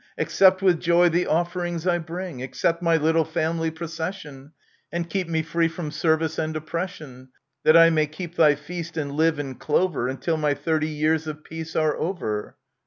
Accept with joy the offerings I bring ! Accept my little family procession, And keep me free from service and oppression, That I may keep thy feast and live in clover Until my thirty years of peace are over